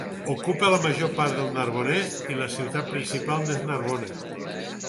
Ocupa la major part del Narbonès i la ciutat principal n'és Narbona.